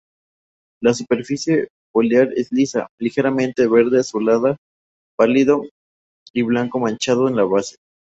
La superficie foliar es lisa, ligeramente verde azulada pálido y blanco-manchado en la base.